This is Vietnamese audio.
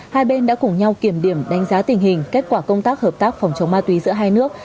hai bên đã cùng nhau kiểm điểm đánh giá tình hình kết quả công tác hợp tác phòng chống ma túy giữa hai nước